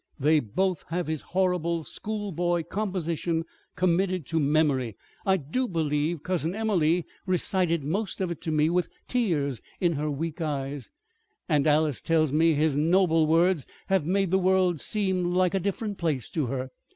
They both have his horrible school boy composition committed to memory, I do believe. "Cousin Emelene recited most of it to me with tears in her weak eyes, and Alys tells me his noble words have made the world seem like a different place to her.